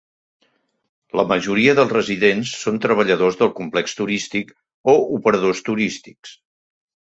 La majoria dels residents són treballadors del complex turístic o operadors turístics.